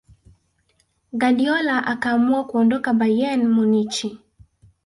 guardiola akaamua kuondoka bayern munich